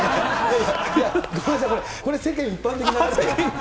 ごめんなさい、これ、世間一世間一般的か。